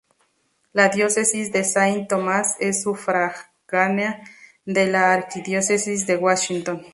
La Diócesis de Saint Thomas es sufragánea de la Arquidiócesis de Washington.